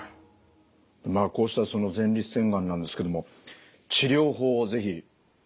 まあこうした前立腺がんなんですけども治療法を是非教えていただきたいんですが。